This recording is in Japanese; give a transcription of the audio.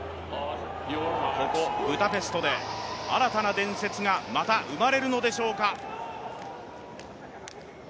ここブダペストで新たな伝説がまた生まれるのでしょうか。